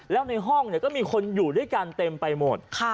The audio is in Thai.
แล้วในห้องก็มีคนอยู่ด้วยกันเต็มไปหมด